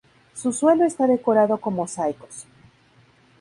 Su suelo está decorado con mosaicos.